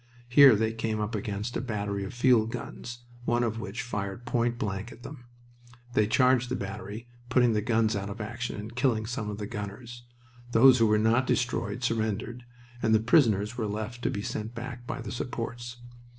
Here they came up against a battery of field guns, one of which fired point blank at them. They charged the battery, putting the guns out of action and killing some of the gunners. Those who were not destroyed surrendered, and the prisoners were left to be sent back by the supports.